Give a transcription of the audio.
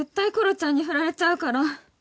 ちゃんにフラれちゃうから